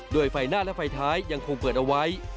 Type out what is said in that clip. โดยไฟหน้าและไฟท้ายยังคงเปิดเอาไว้